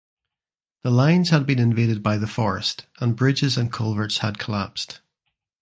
The lines had been invaded by the forest and bridges and culverts had collapsed.